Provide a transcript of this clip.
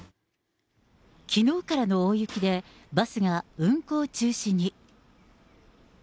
きのうからの大雪で、バスが運行中止に。